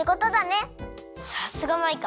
さすがマイカ。